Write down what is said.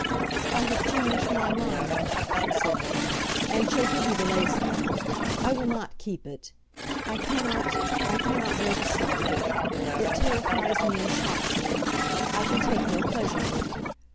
"I have changed my mind," she said, "and shall give you the lace back. I will not keep it. I can not I can not bear the sight of it. It terrifies me and shocks me. I can take no pleasure in it.